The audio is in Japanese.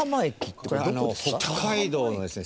岡安：北海道のですね